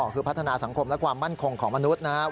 คือพัฒนาสังคมและความมั่นคงของมนุษย์นะครับ